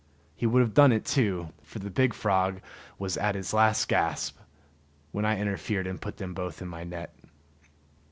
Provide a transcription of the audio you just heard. He would have done it too; for the big frog was at his last gasp, when I interfered and put them both in my net.